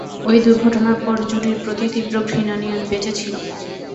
ঐ দুর্ঘটনার পর জুডির প্রতি তীব্র ঘৃণা নিয়ে আমি বেঁচে ছিলাম।